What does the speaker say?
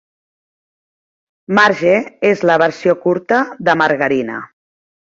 "Marge" es la versió curta de "margarina".